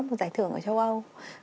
một giải thưởng ở châu âu